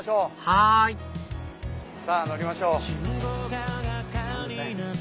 はいさぁ乗りましょう。